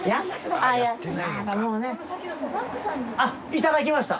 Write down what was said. いただきました。